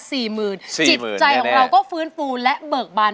จิตใจของเราก็ฟื้นฟูและเบิกบาน